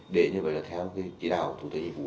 để như vậy là theo cái chỉ đạo thủ tướng nhân vụ